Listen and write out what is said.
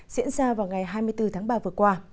diễn ra vào ngày hai mươi bốn tháng ba vừa qua